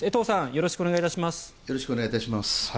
よろしくお願いします。